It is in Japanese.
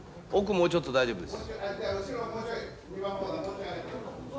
もうちょっと大丈夫です。